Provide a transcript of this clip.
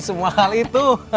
semua hal itu